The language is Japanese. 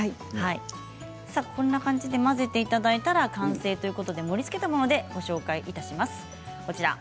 こんな感じで混ぜていただいたら完成ということで盛りつけたものでご紹介します。